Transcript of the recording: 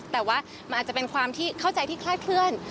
แต่ว่ามันอาจจะเป็นความที่เข้าใจที่คลาดเคลื่อน